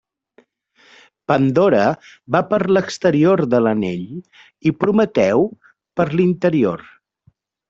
Pandora va per l'exterior de l'anell i Prometeu per l'interior.